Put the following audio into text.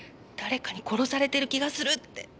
誰かに殺されてる気がするって。